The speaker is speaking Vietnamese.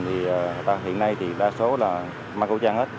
thì hiện nay thì đa số là mang khẩu trang hết